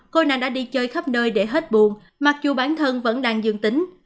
cô này đã đi chơi khắp nơi để hết buồn mặc dù bản thân vẫn đang dương tính